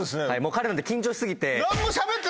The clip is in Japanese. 彼なんて緊張し過ぎて。